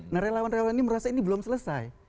nah relawan relawan ini merasa ini belum selesai